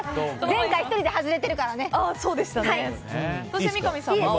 前回１人で外れてるから。